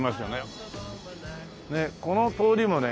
この通りもね